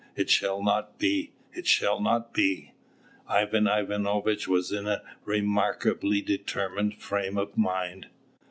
It shall not be, it shall not be!" Ivan Ivanovitch was in a remarkably determined frame of mind.